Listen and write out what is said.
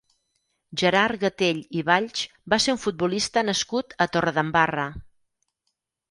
Gerard Gatell i Valls va ser un futbolista nascut a Torredembarra.